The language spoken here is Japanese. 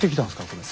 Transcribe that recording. これ。